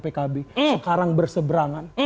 pkb sekarang berseberangan